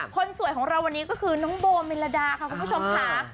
คนสวยของเราวันนี้ก็คือน้องโบเมลดาค่ะคุณผู้ชมค่ะ